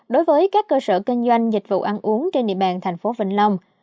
đối với các cơ sở kinh doanh dịch vụ ăn uống trên địa bàn tp vĩnh long